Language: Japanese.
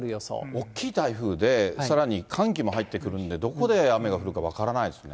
おっきい台風で、さらに寒気も入ってくるんで、どこで雨が降るか分からないですね。